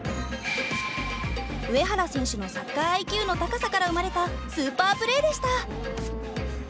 上原選手のサッカーＩＱの高さから生まれたスーパープレーでした。